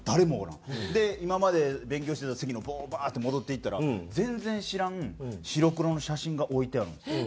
で今まで勉強してた席にバーッて戻っていったら全然知らん白黒の写真が置いてあるんですよ。